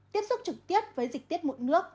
tiếp xúc trực tiếp với dịch tiết mụn nước